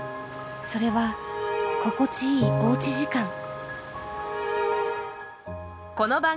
それはここちいいおうち時間。